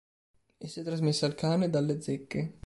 Essa è trasmessa al cane dalle zecche.